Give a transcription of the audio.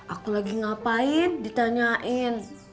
aku lagi ngapain ditanyain